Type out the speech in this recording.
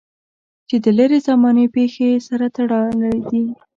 چې د لرې زمانې پېښې یې سره تړلې دي.